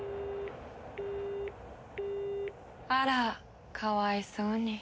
あらかわいそうに。